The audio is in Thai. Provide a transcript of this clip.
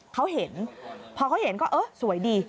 เขาเห็นพอเขาเห็นก็เออสวยดี